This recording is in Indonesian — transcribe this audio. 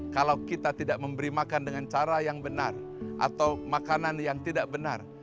kalau kita tidak memberi makan dengan cara yang benar atau makanan yang tidak benar